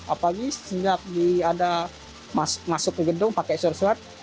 apalagi sejak ada masuk ke gedung pakai surat surat